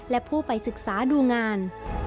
และผู้ไปศึกษาดูงาน